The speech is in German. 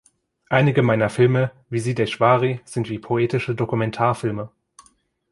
Einige meiner Filme wie „Siddheshwari“ sind wie poetische Dokumentarfilme.